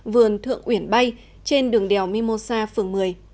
vườn thượng uyển bay trên đường đèo mimosa phường một mươi